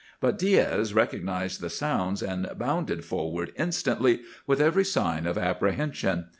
But Diaz recognized the sounds, and bounded forward instantly with every sign of apprehension.